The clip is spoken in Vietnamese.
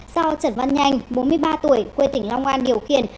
sau trận văn nhanh bốn mươi ba tuổi quê tỉnh long an điều khiển